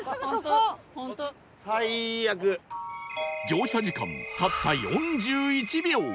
乗車時間たった４１秒